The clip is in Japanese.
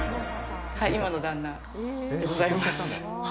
今の旦那でございます。